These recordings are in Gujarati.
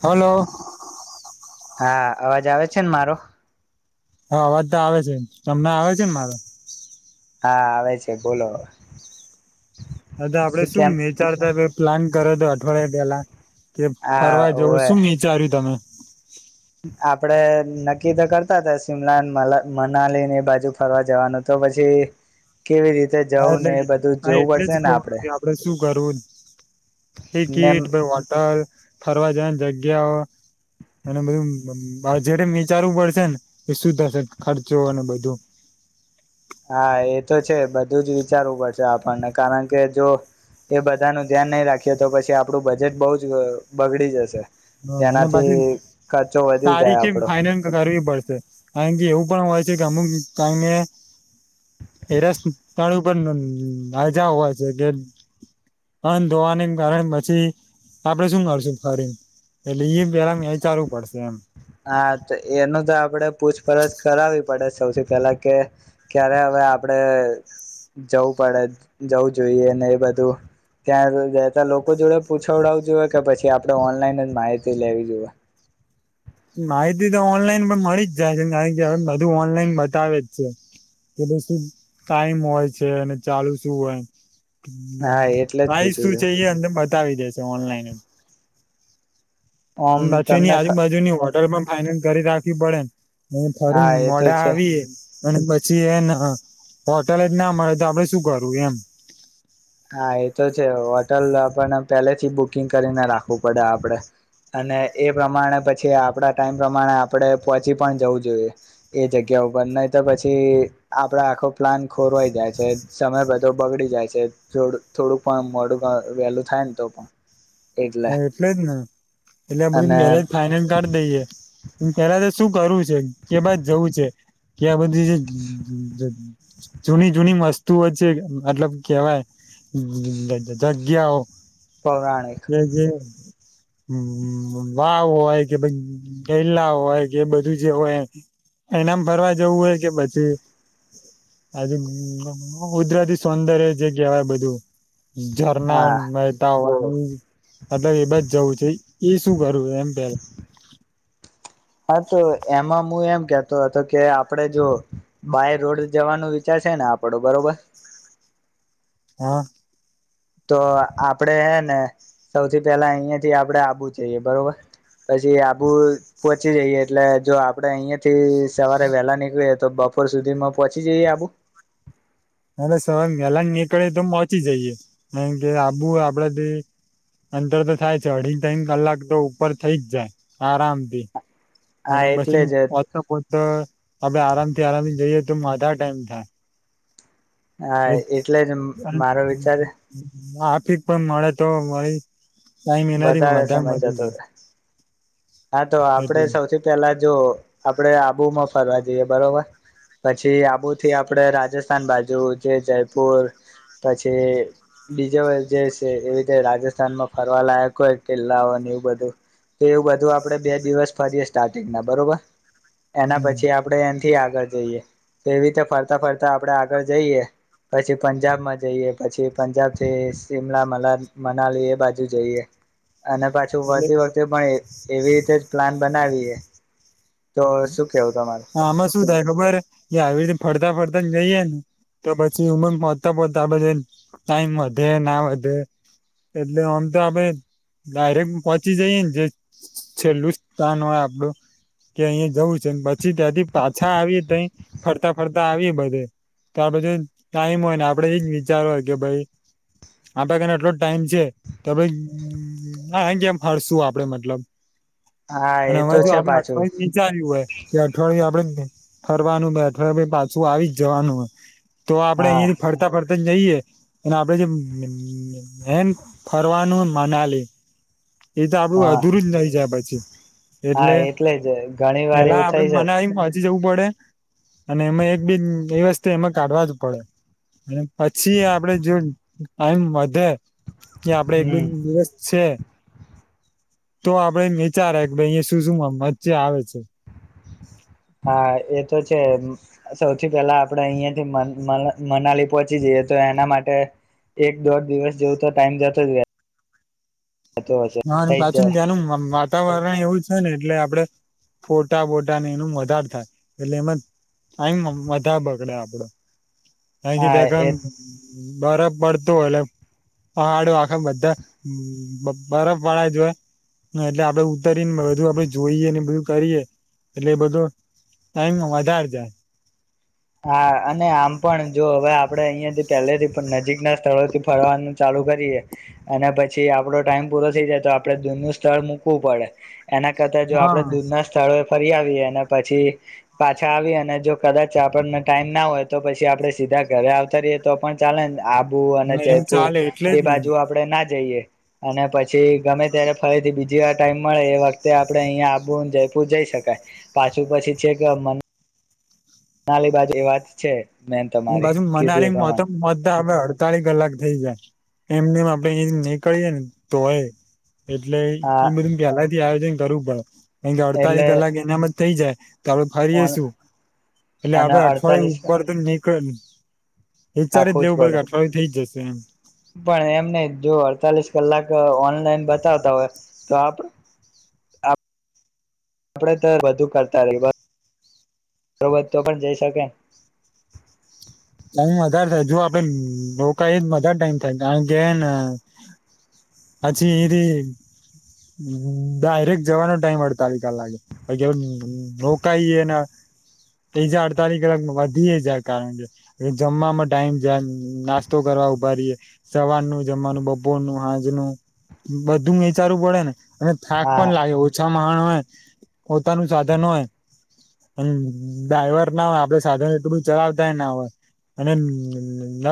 હલો. હા, અવાજ આવે છે ન મારો? હા, આવાજ તો આવે છે. તમને આવે છે ને મારા? હા, આવે છે બોલો હવે. અ તો આપડે શું વનેચર તો હવે પ્લાન કરે તો થોડે બોલા કે હા ફરવા જવો ઓવે શું વિચાર્યું તમે? [inaudible] આપડે નક્કી તો કરતા હતા શિમલાને મલા-મનાલી ને એ બાજુ ફરવા જવાના તો પછી કેવી રીતે હા જવું એટલે ને એ બધું જોવું પડશે ને આપડે. કરુંન હૈ ને ગીટ બે વોટર ફરવા જાયની જગ્યાઓ એણે બહુ મમ બા જારે વિચારવું પડશે ને એ સુું થશે ખર્ચો અને બધું. હા, એ તો છે બધું જ વિચારવું પડશે આપણને કારણ કે જો એ બધા નું ધ્યાન નહી રાખીએ તો પછી આપડું બજેટ બહુ જ અહ બગડી જશે. હ અને તેનાથી પાછી ખર્ચો વધી જાય તારીખે આપડો ફાાઈનલ કરવી પડશે. કારણ એવું પણ હોય છે કે અમુક કારણે એરસ સ્થળ ઉપરજા નાજા હોય છે કે અંધ ધોવાને કારણે પછી આપડે શું કરશું ફરીંગ એટલે ઈ પેલા મે ચાલું પડશે એમ. હા તો એનું તો આપડે પૂછપરછ કરાવવી પડે સૌથી પેલા કે ક્યારે હવે આપડે અહ જવું પડે જવું જોઈએ ને એ બધું ત્યાં જતા લોકો જોડે પૂછવડાવું જોઈએ કે પછી આપડે ઓનલાઈન જ માહિતી લેવી જોઈએ. માહિતી તો ઓનલાઈન પણ મળી જ જાય છે કારણ કે હવે બધું ઓનલાઈન બતાવે જ છે કે ભઈ શું ટાઈમ હોય છે અને ચાલુ શું હોય. અમ્મ હા નન એટલે જ પ્રાઈઝ પૂછ્યું શું છે ઈ અમને બતાવી દે શ તો ઓનલાઈન એમ. ઓમ બચું ની તમને ખ આજુબાજુ ની હોટલમાં અને ઘરે રાખવી પડે ન હું થરું હા એ તો મોડા છે આવીએ અને પછી એને હ હોટેલ જ ના મળે તો આપડે શું કરું એમ. હા, એ તો છે હોટલ આપણને પેલેથી બુકિંગ કરીને રાખવું પડે આપડે. અને એ પ્રમાણે પછી આપડા ટાઈમ પ્રમાણે આપણે પહોંચી પણ જવું જોઈએ એ જગ્યા ઉપર નહી તો પછી આપડા આખો પ્લાન ખોરવાઈ જાય છે. સમય બધો બગડી જાય છે. થોડું થોડુંક પણ મોડું ગ વેલું થાય ને તો પણ. ના એટલે જ ને એટલે આ બધું અને મેરેજ ફાઇનલ કાઢ દઈએ ને પેલા દૂશ શું કરવું છે કે બાદ જવું છે ક્યાં આ બધી જે જગ જૂની જૂની વસ્તુઓ છે મતલબ કેહેવાય જ જ જગ્યાઓ પૌરાણિક. કે જે વા-વાવ હોય કે ગેલા હોય કે બધું જે હોય એનામ ફરવા જવું હોય કે પછી આજુ કુદરતી સૌંદર્ય જે કહેવાય બધું. ઝરના હા મેહતા હો હમ મતલબ એ બજ જવું છે. એ શું કરવું એમ પેલા હા તો એમાં હું એમ કતો હતો કે આપડે જો બાય રોડ જવાનો વિચાર છે ને આપડો બરોબર. હા. તો આપડે હે ને સૌથી પેલા અહિયાંયાથી આપડે આુ જઈએ બરોબર પછી આબુ પહોચી જઈએ એટલે જો આપડે અહિયાં થી સવારે વેલા નીકળીએ તો બપોર સુધીમાં પહચી જઈએ આબુ. એ સવાર પેલા નીકળે તો પહોંચી જઈએે કારણ કે આબુ આપડથી અંતર તો થાય છે. અઢી ત્રણ કલાક તો ઉપર થઈ જ જાય આરામથી. હા અને એટલે પછી જ પોતા પોતા આપે આરામથી આરામથી જઈએ તો માધા ટાઈમ થાય. હા એટલે જ મારો વિચાર માફિક પણ મળે તો મળી કઈ મહિનાથી વધારે વધા સમય વધી જતો જાય. રે હા તો આપડે એટલે સૌથી પેલા જો આપડે આબુમાં ફરવા જઈએ બરોબર પછી આબુથી આપડે રાજસ્થાન બાજુ જે જયપુર પછી બીજો જે છે. એવીી રાજસ્થાનમાં ફરવા લાયક હોય કિલ્લાઓ એવું બધું એવું બ આપડણે બે દિવસ ફરીએ સ્ટાર્ટિંગ ના બરોબર. એના હમ પછી આપડે થી આગળ જઈએ તો એવી રીતે ફરતા ફરતા આપડે આગળ જઈએ પછી પંજાબ માં જઈએ પછી પંજાબ થી શિમલા મલા મનાલી એ બાજુ જઈએ. અને પાછું એટલે વળતી વખતે પણ કેવી રીતે જ પ્લાન બનાવીએ તો શું કેવું તમારું. આમાં શું થાય ખબર કે આવી રીતે ફરતા ફરતા જઈએ ને તો પછી ઉમર પહોચતા પોહતા ટાઈમ વધે ના વધે એટલે આમ તો આપડ ડાયરેક્ટ પહોંચી જઈએ ને જે છેલ્લુસ્તાન હોય આપડું કે અહીં જવું છે ને પછી ત્યાંથી પાછા આવી તઈ ફરતા ફરતા આવી. બધ ત્યાર પછી ટાઈમ હોય ને આપડે એજ વિચારવાય કે ભાઈ આપડે કને આટલો જ ટાઈમ છે તો ભ હ અ જેમ ફરશું આપડે મતલબ. હા અને એ હરે તો જો છે આપડે પાછું અઠવાડયું નીચા આવ્યું હોય કે અઠવાડય આપડે ફરવાનું બેઠ પાછું આવી જ જવાનું. તો આપડે હા અહિયાયા થી ફરતા ફરતા જ જઈએ. એ આપડે જે એમ ફરવાનું મનાલી. એ તો આપડું હા અધુરું જ નઈ જાય પછી. હા એટલે જ ઘણી વાર પેલા એવું આપડે થાય છે. મનાલી પહોંચી જવું પડે અને એમાં એક બેી એ વસ્તુ એમાં કાઢવા જ પડે અને પછી આપણેે જો ટાઈમ વધે કે આપડે એક બેન હમ દિવસ છે. તો આપડે વિચારે કે ભાઈ અહીિયાયા શું શું મ્ચે આવે છે. હા એ તો છે. સૌથી પહેલા આપડે અહિયાયાથી મનાલી પહોંચી જઈએ તો એના માટે એક દોઢ દિવસ જેવું તો ટાઈમ જતો જ રહેતો હશે હા થઈ જ પ્રાચીન જાય ધ્યાનું વાતાવરણ એવું જ હ ને એટલે આપડે ફોટા બોટાને એનું વધારે થાય એટલે એમાં ટાઈમ વધાર બગડે આપડો. હા એ [unintelligible] બરફ પડતો હોય એટલે પહાડો આખા બધા બરફ વાળા જોય એટલે આપડે ઉતરીને બધું આપણે જોઈએ બધું કરીએ એટલે એ બધો ટાઈમ વધારે જાય હા અને આમ પણ જો હવે આપડે અહિયાયા થી પહેલેથી પણ નજીક ના સ્થળોથી ફરવાનું ચાલુ કરીએ અને પછી આપડો ટાઈમ પૂરો થઈ જાય તો આપડે દૂરનું સ્થળ મૂકવું પડે એના કરતા જો હા આપડે દૂરના સ્થળોએ ફરી આવી અને પછી પાછા આવી અને જો કદાચ આપણને ટાઈમ ના હોય તો પછી આપડે સીધા ઘરે આવતા રહીએ તો પણ ચાલે આબુ અને હા એમ જયપુર ચાલે એટલે એ જ ને બાજુ આપડણે ના જઈએ અને પછી ગમે ત્યારે ફરીથી બીજી વાર ટાઈમ મળે એ વખતે આપડણે અહીયા આબુ અને જયપુર જઈ શકાય પાછું પછી છે કે મને નાલી બાજુ એ વાત છે મેન અને તમારી બાજુ કીધું એ મનાલી પ્રમાણે [unintelligible] અડતાલી કલાક થઈ જાય એમનેમ આપડે એ નીકળીએે ને તોય એટલે હા ઈ બધું પેહલાથી આયોજન કરવુ પડે કેમ કે અડતાળી એટલે કલાક એના મ થઈ જાય આપડે ફરીસું એટલે અને આપે અઠવાડિયે અડતાલીસ ઉપર તો ને કઈ વિચારી જ રાખવું લેવું ભાઈ પડે કે અઠવાડયુ થઈ જશે. કેમ પણ એમને જો અડતાલીસ કલાક ઓનલાઈન બતાવતા હોય તો આપ આપડે તો વધુ કરતા રહીએ બરોબર તો પણ જઈ શકાય [unintelligible] જો આપડે રોકાઈ વધારે ટાઈમ થાય કારણ કે પછી એથી ડાયરેક્ટ જવાનો ટાઈમ અડતાલીસ કલાક લાગે રોકઈ બીજા અડતાલીસ કલાક વધીએ જાય કારણ કે જમવાવામાં ટાઈમ જ નાસ્તો કરવા ઉભા રએે સવારનું જમવાનું બપોરનું હાંજ નુ બધું વિચારું પડે ને અને થાક હા પણ લાગે ઓછા -' માણ હોય પોતાનું સાધન હોય ડ્રાઈવર ના હોય આપડે સાધન એટુંું ચલાવતાય ના હોય. અને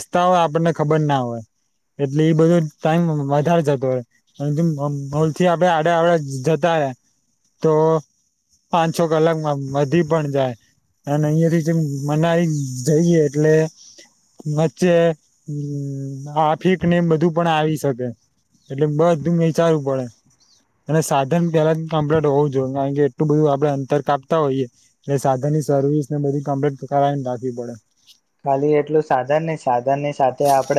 રસ્તા હોય આપણને ખબર ના હોય એટલે એ બધો ટાઈમ વધારે જતો હોય અને હલથી આપણે આડા આડ જતા હોય તો પાંચ છ કલાકમાં વધી પણ જાય અને અહીિયાંયા થી જેમ મનાઈ જઈએ એટલે વચ્ચે આફિક ને બધું પણ આવી શકે એટલે બધું વિચારવું પડે અને સાધન પેલા કમ્પ્લીટ હોવું જોઈએ કારણ કે એટલું બધું આપડે અંતર કાપતા હોઈએ એટલે સાધન ની સર્વિસને બધી કમ્પ્લીટ કરાવીને રાખવી પડે ખાલી એટલું સાધન નહ સા ની સાથે આપડ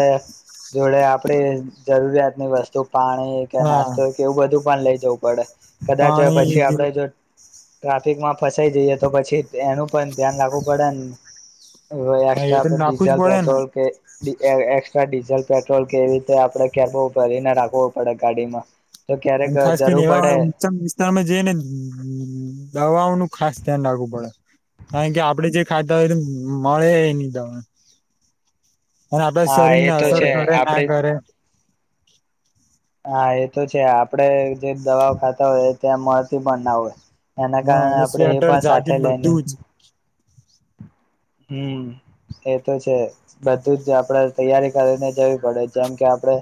જોડે આપડી જરૂરિયાત અને વસ્તુ પાણી કે હા નાસ્તો કે એવું બધું પણ લઇ જઉ બડ -' કદાચ પાણી પછી આપડે જો ટ્રાફિકમાં ફસાઈ જઈએ, તો પછી એનું પણ ધ્યાન રાખવું પડે ને. એ એકસ્ટ્રા તો પર નાખવું જ ડીઝલ, પડે ને પેટ્રોલ કે. એક્સ્ટ્રા ડીઝલ પેટ્રોલ, કેવી રીતે આપડણે કે ભરીને રાખવો પડે ગાડીમાં. તો ક્યારેક અને ખાસ કરીને, જરૂર એવા પડે ઉચમ વિસ્તારમાં જે ને દવાઓનું ખાસ ધ્યાન રાખવું પડે કારણ કે આપડે જે ખાધા હોય, તો મળે એ નહી, દવા. અને આપડાે હા શરીર એ ને, તો અસર છે કરે ના આપડે કરે. હા એ તો છે, આપડે જે દવાઓ ખાતા હોય, ત્યાં મળતી પણ ના હોય. એના હા કારણે અને આપણેે, એ સ્વેટર પણ સાથે જાકેટ લઈને. બધું જ હમ એતો છે, બધુંજ આપડે તૈયારી કરીને જવી પડે જેમ, કે આપડે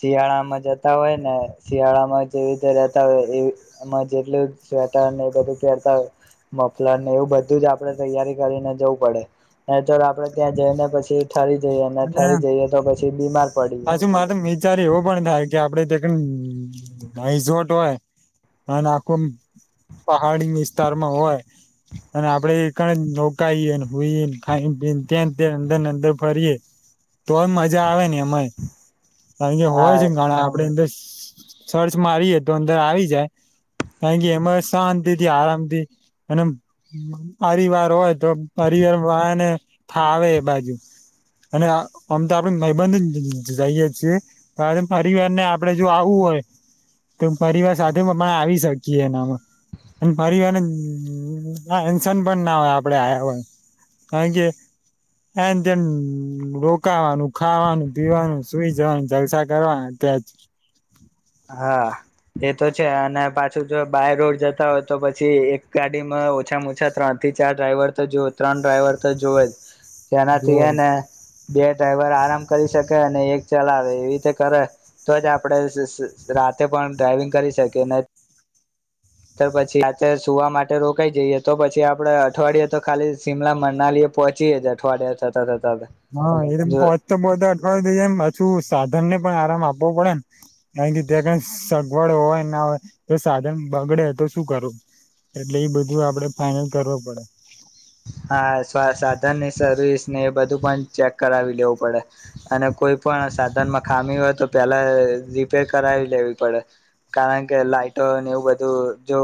શિયાળામાં જતા હોય ને શિયાળામાં જેવી રીતે રતા હોય, એમાં જેટલું સ્વેટર ને એ બધું પહેરતા હોય મફલર ને એવું બધુંજ આપણે તૈયારી કરીને જવું પડે. એ, તો આપડે ત્યાં જઈને પછી ઠરી જઈએ અને ઠરી જઈએ તો પછી બીમાર પડીએ પાછું, મારે તો વિચાર એવો પણ થાય, કે આપડે. રિસોર્ટ હોય, અને આખું પહાડી વિસ્તારમાં હોય, અને આપડે નોકાઈએઈ ખ ત્યાં, ત્યાં અંદર ને અંદર ફરીએ. તોય મજા આવે ને એમાંય. અયા હા હોય છે, ઘણા આપડે અર. સર્ચ મારીએે, તો અંદર આવી જાય કારણ કે એમાં શાંતિથી આરામથી અને અરિવાર હોય, તો હરિવાર વાને થાવ એ બાજુ. અને અમ તો આપડે નબંધ જઈએ છીએ, પરિવાર ને આપડે જો આવવું હોય, તો પરિવાર સાથે આવી શકીએ એનામાં. [unintelligible] અને. હ એન્શન પણના હોય, આપડે આ હોય, કારણ કે એ. રોકાવાનું ખાવાનું, પીવાનું સુઈ જવાનું જલસા કરવાનું અત્યાં જ. હા એ તો છે, અને પાછું જો બાય રોડ જતા હોય, તો પછી એક ગાડીમાં ઓછામાં ઓછા ત્રણ થી, ચાર ડ્રાઈવર તો જો ત્રણ ડ્રાઈવર, તો જોુવે જ. જ તેનાથી એ રોજ ને. બે ડ્રાઈવર આરામ કરી શકે અને એક ચલાવે એવી રીતે, કરે તો જ આપડે સ સ. રાતે પણ ડ્રાઈવિંગ કરી, શકે નને. પછી રાતેે સુવા માટે રોકાઈ, જઈએ તો પછી આપડે અઠવાડયે, તો ખાલી શિમલા મનાલીએ પહોંચીયે જ અઠવાડિયા થતા થતા. હા, એ જો ફચ તો બધા અઠવાડું દઈ એમ હછું. ધનને પણ આરામ આપવો પડે ને ક કે ત્યાં કઈ સગવડ હોય, ના હોય તો સાધન બગડે, તો શું કરવું એટલે એ બધું આપડે ફાઈનલ કરવ પડે. હા, સાધનની સર્વિસ ને એ બધું પણ ચેક કરાવી લેવું પડે અને કોઈ પણ સાધનમાં ખામી હોય, તો પહેલા રિપેર કરાવી લેવી પડે કારણ કે લાાઈટોને એવું બધું જો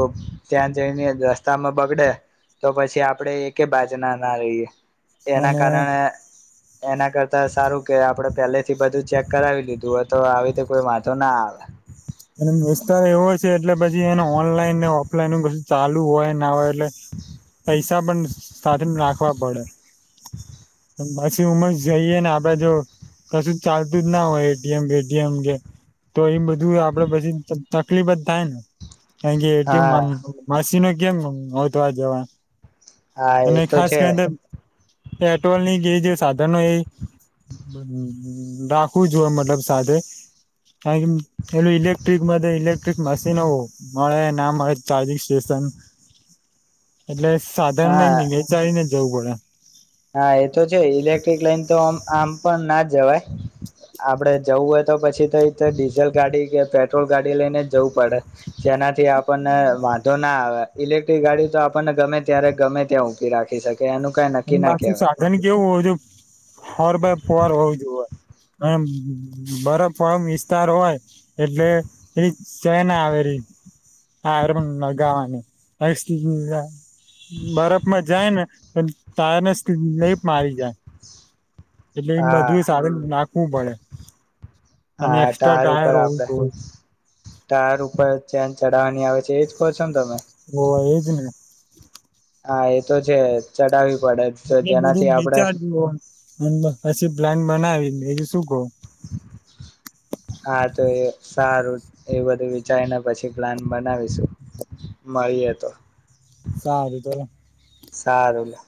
ત્યાં જઈને રસ્તામાં બગડે, તો પછી આપણેે એક. કે બાજના ના રહીએ. એના અને કારણે, એના કર સારું કે આપડે પહેલેથી, બધું ચેક કરાવી લીધું હોય, તો આવી રીતે કોઈ વાંધો ના આવે. અને વિસ્તાર એવો જ. એટલે પછી, એને ઓનલાઈન ને ઓફલાઈન. ચાલુ હોય, ના હોય. એટલે પૈસા, પણ સાથે રાખવા પડે. પછી ઉમર જઈએ ને આપડે જો કશું ચાલતું જ ના હોય, એટીએમટીએમ કે તો એ બધું. આપડે બધી. તકલીફ જ થાય ને. [unintelligible] હા કેમ હ તો આ જવા હા એ અને તો ખાસ છે કરી પેટ્રોલ ની ગેજ સાધનો એ અમ્મ રાખવું જોએ મતલબ સાથે કારણ કે એ ઇલેક્ટિક માટે ક્ટ્રિક મશીનો મળે ના મળે ચાર્જિંગ સ્ટેશન એટલે હા સાધની [unintelligible] પડે. હા એ તો છે ઇલેક્ટ્રિક લાઈન તો આ આમ પણ ના જ જવાય આપડે જવું હોય તો પછી તો એ ડીઝલ ગાડી કે પેટ્રોલ ગાડી લઈને જવું પડે. જેનાથી આપણને વાંધો ના આવે. ઇલેક્ટ્રિક ગાડી તો આપણને ગમે ત્યારે ગમે ત્યાં ઉભી રાખીકે એનું કઈ અને નક્કી ના બાકી કહેવાય સાધન કેવું હો જો ફર બાય ફર હોવું જો હોય બરફર વિસ્તાર હોય એટલે એ ચેના આવેલી આ લગાવનું [unintelligible] બરફમાં જાય ને. [inaudible] તાર [unintelligible] મારી જાય. એટલે એ હા [unintelligible] શું ભળે? હા ટાયાર ઉપર આપડે ટાયર ઉપર ચે ચઢાવવાની આવે છે એજ છો ને તમે ઓહ એજને. હા એ તો છે ચડાવી એટલે બધું વિચાજું પછી પ્લાન બનાવી એ શું? હા તો એ સારું એ બધું વિચારી ને પછી પ્લાન બનાવી. [unintelligible] મારીએ તો. સારું ચાલો. સારું લ.